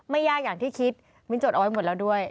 ยากอย่างที่คิดมิ้นจดเอาไว้หมดแล้วด้วย